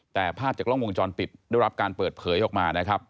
แต่ภาพจากกล้องวงจรปิดได้รับการเปิดเผยออกมานะครับ